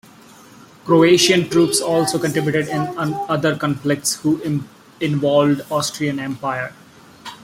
Croatian troops also contributed in other conflicts who involved Austrian Empire.